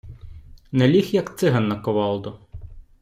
Наліг, як циган на ковалдо